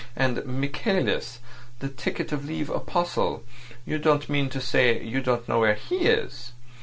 And Michaelis, the ticket of leave apostle—you don't mean to say you don't know where he is?